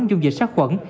dung dịch sát khuẩn